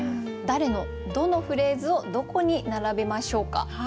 誰のどのフレーズをどこに並べましょうか？